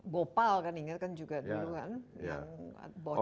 bopal kan ingat kan juga dulu kan yang bocor